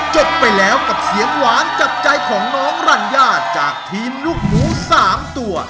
จบไปแล้วกับเสียงหวานจับใจของน้องรัญญาจากทีมลูกหมู๓ตัว